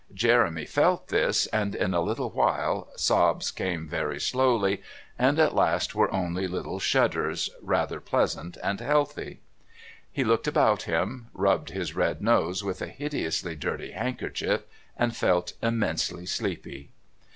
Jeremy felt this, and in a little while sobs came very slowly, and at last were only little shudders, rather pleasant and healthy. He looked about him, rubbed his red nose with a hideously dirty handkerchief, and felt immensely sleepy.